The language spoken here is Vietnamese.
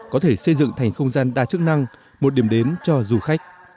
có thể xây dựng thành không gian đa chức năng một điểm đến cho du khách